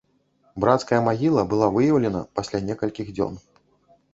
Брацкая магіла была выяўлена пасля некалькіх дзён.